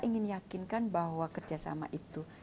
ingin yakinkan bahwa kerjasama itu